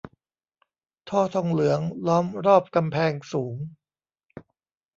ท่อทองเหลืองล้อมรอบกำแพงสูง